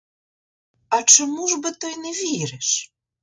А чому ж би то й не віриш?